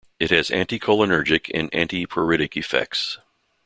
It has anticholinergic and antipruritic effects.